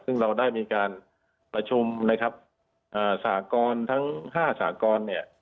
ซึ่งเราได้มีการประชุมนะครับสากรทั้ง๕สากรเนี่ย